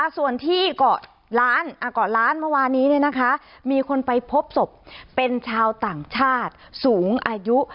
ส่วนที่เกาะล้านเกาะล้านเมื่อวานนี้มีคนไปพบศพเป็นชาวต่างชาติสูงอายุ